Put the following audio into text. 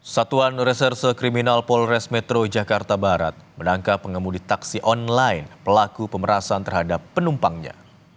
satuan reserse kriminal polres metro jakarta barat menangkap pengemudi taksi online pelaku pemerasan terhadap penumpangnya